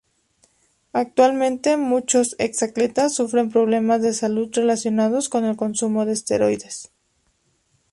Actualmente, muchos ex atletas sufren problemas de salud relacionados con el consumo de esteroides.